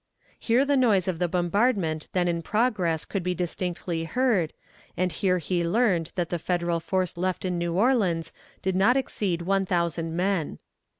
Here the noise of the bombardment then in progress could be distinctly heard, and here he learned that the Federal force left in New Orleans did not exceed one thousand men.